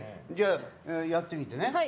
じゃあやってみてね。